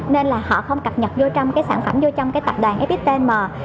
nên là họ không cập nhật vô trong cái sản phẩm vô trong cái tập đoàn fistm